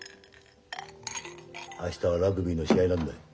明日はラグビーの試合なんだ。